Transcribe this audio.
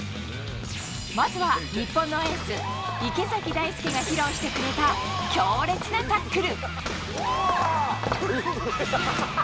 まずは日本のエース・池崎大輔が披露してくれた強烈なタックル。